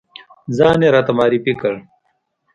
ځان یې راته معرفی کړ.